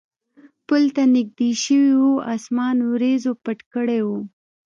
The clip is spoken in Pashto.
پل ته نږدې شوي و، اسمان وریځو پټ کړی و.